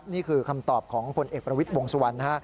นี่คือคำตอบของผลเอกประวิทย์วงสุวรรณ